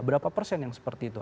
berapa persen yang seperti itu